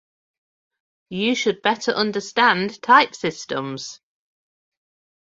You should better understand type systems